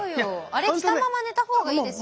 あれ着たまま寝た方がいいですよ。